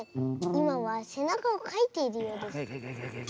いまはせなかをかいているようです。